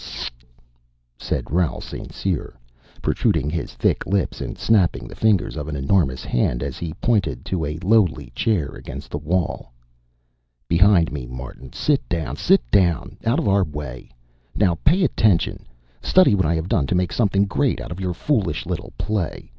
"T t t t t," said Raoul St. Cyr, protruding his thick lips and snapping the fingers of an enormous hand as he pointed to a lowly chair against the wall. "Behind me, Martin. Sit down, sit down. Out of our way. Now! Pay attention. Study what I have done to make something great out of your foolish little play.